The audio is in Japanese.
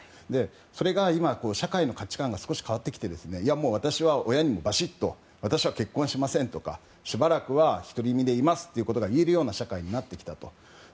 それが今、社会の価値観が少し変わってきて親にバシッと私は結婚しませんとしばらくは独り身でいますというのが言えるような社会になってきたと。